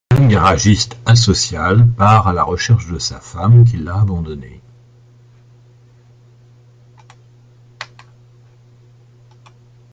Un jeune garagiste asocial part à la recherche de sa femme qui l'a abandonné.